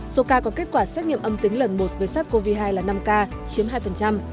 số ca có kết quả xét nghiệm âm tính lần một với sars cov hai là năm ca chiếm hai